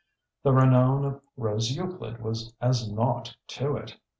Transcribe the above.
The renown of Rose Euclid was as naught to it.